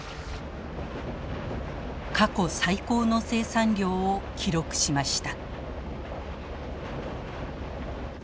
過去最高の生産量を記録しました。